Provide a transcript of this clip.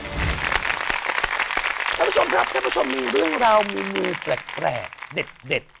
ท่านผู้ชมครับท่านผู้ชมมีเรื่องราวเมนูแปลกเด็ด